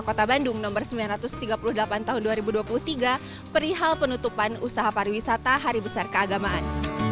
kota bandung nomor sembilan ratus tiga puluh delapan tahun dua ribu dua puluh tiga perihal penutupan usaha pariwisata hari besar keagamaan